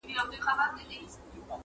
څه به کوو؟-